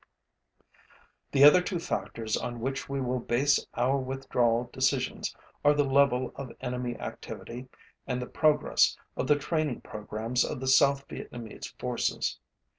The other two factors on which we will base our withdrawal decisions are the level of enemy activity and the progress of the training programs of the South Vietnamese forces.